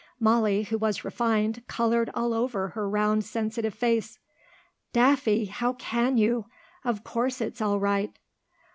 Molly, who was refined, coloured all over her round, sensitive face. "Daffy! How can you? Of course it's all right."